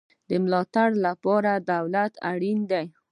د ملاتړ لپاره دولت اړین دی